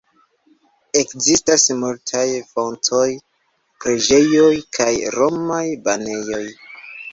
Ekzistas multaj fontoj, preĝejoj, kaj romaj banejoj.